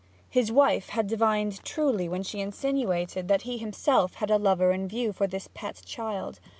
His wife had divined truly when she insinuated that he himself had a lover in view for this pet child.